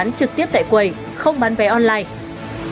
vé phim trực tiếp tại quầy không bán vé online